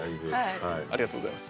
ありがとうございます。